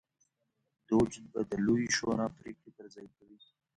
دوج به د لویې شورا پرېکړې پر ځای کوي